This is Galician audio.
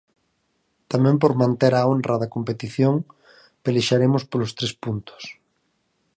Tamén por manter a honra da competición, pelexaremos polos tres puntos.